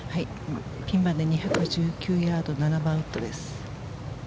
ピンまで２１９ヤード７番ウッドです。